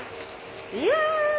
いや！